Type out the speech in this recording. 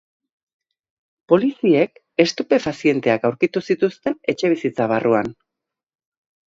Poliziek estupefazienteak aurkitu zituzten etxebizitza barruan.